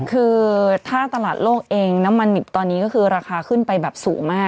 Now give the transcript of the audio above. คือถ้าตลาดโลกเองน้ำมันตอนนี้ก็คือราคาขึ้นไปแบบสูงมาก